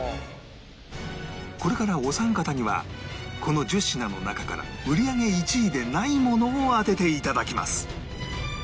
これからお三方にはこの１０品の中から売り上げ１位でないものを当てて頂きます